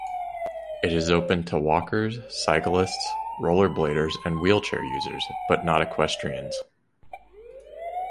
It is open to walkers, cyclists, rollerbladers and wheelchair users, but not equestrians.